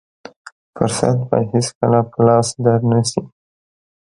فرصت به هېڅکله په لاس در نه شي.